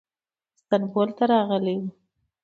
استانبول ته راغلی و.